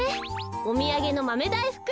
おみやげのマメだいふく。